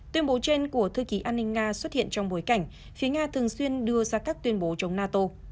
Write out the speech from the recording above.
tuyên bố trên của thư ký an ninh nga xuất hiện trong bối cảnh phía nga thường xuyên đưa ra các tuyên bố chống nato